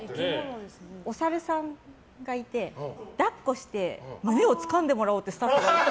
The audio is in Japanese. おサルさんがいて抱っこして胸をつかんでもらおうってスタッフが言って。